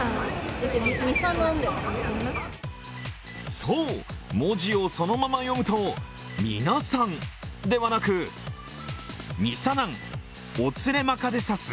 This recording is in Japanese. そう、文字をそのまま読むと、「みなさん」ではなく「みさなんおつれまかでさす。